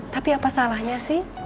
tapi apa salahnya sih